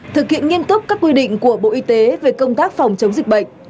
thực hiện nghiên cức các quy định của bộ y tế về công tác phòng chống dịch bệnh